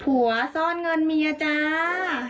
หัวซ่อนเงินเมียจ้า